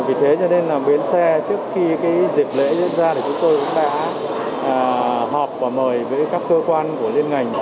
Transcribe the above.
vì thế cho nên bến xe trước khi dịp lễ diễn ra chúng tôi cũng đã họp và mời với các cơ quan của liên ngành